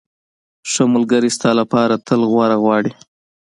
ښه ملګری ستا لپاره تل غوره غواړي.